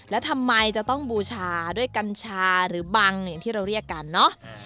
แล้วทำไมจะต้องบูชาด้วยกัญชาหรือบังอย่างที่เราเรียกกันเนอะ